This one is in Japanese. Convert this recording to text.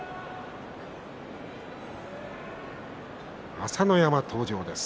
朝乃山、登場です。